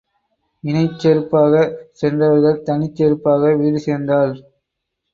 இணைச் செருப்பாகச் சென்றவர்கள் தனிச் செருப்பாக வீடு சேர்ந்தாள்.